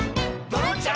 「ドロンチャ！